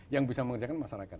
yang bisa mengerjakan masyarakat